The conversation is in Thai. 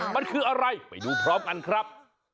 มันคืออะไรไปดูพร้อมกันครับ